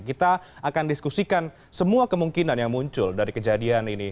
kita akan diskusikan semua kemungkinan yang muncul dari kejadian ini